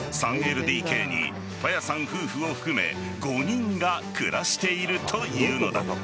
３ＬＤＫに、ぱやさん夫婦を含め５人が暮らしているというのだ。